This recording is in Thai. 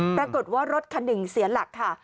ปรากฏว่ารถคันหนึ่งเสียหลักค่ะ